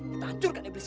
kita hancurkan neblisi